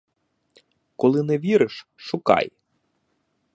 Коли не віриш, — шукай!